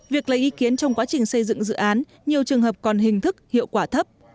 việc lấy ý kiến trong quá trình xây dựng dự án nhiều trường hợp còn hình thức hiệu quả thấp